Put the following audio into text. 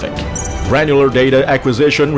resultat pengambilan data ranjir